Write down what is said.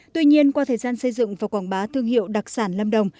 tuy nhiên qua thời gian xây dựng và quảng bá thương hiệu đặc sản lâm đồng